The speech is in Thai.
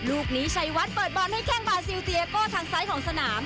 ลูกนี้ชัยวัดเปิดบอลให้แข้งบาซิลเตียโก้ทางซ้ายของสนาม